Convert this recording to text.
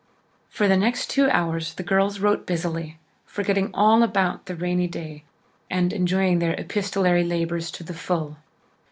For the next two hours the girls wrote busily, forgetting all about the rainy day, and enjoying their epistolary labours to the full.